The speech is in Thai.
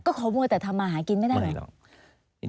ก็เค้ามอแต่ทำมาหากินไม่ได้หรือ